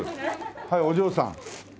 はいお嬢さん。